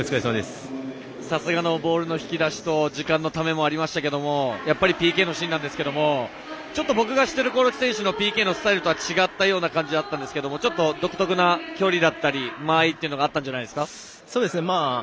さすがのボールの引き出しと時間のためがありましたがやっぱりＰＫのシーンなんですが僕が知っている興梠選手のＰＫのスタイルとは違ったような感じだったんですがちょっと独特な距離だったり間合いがあったんじゃないですか。